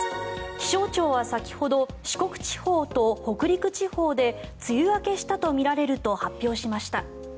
気象庁は先ほど四国地方と北陸地方で梅雨明けしたとみられると発表しました。